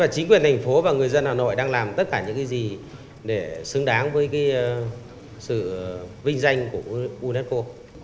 chính quyền thành phố và người dân hà nội đang làm tất cả những gì để xứng đáng với sự vinh danh của unesco